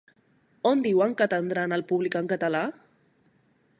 On diuen que atendran al públic en català?